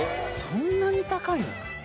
そんなに高いの？